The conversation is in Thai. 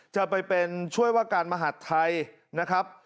จะไปเป็นช่วยว่าการมหาดไทยนะครับ